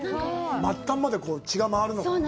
末端まで血が回るのかなぁ。